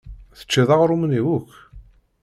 Teččiḍ aɣrum-nni akk?